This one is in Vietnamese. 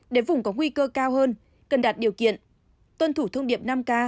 để vùng có nguy cơ cao hơn cần đạt điều kiện tân thủ thương điệp năm k